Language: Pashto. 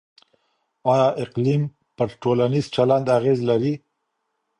آيا اقليم پر ټولنيز چلند اغېز لري؟